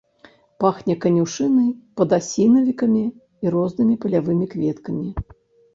Пахне канюшынай, падасінавікамі і рознымі палявымі кветкамі.